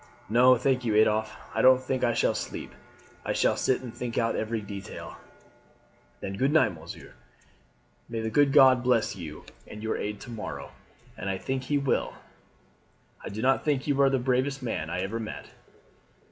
"No, thank you, Adolphe, I don't think I shall sleep; I shall sit and think out every detail." "Then good night, monsieur. May the good God bless you and aid you to morrow, and I think he will! I do think you are the bravest man I ever met."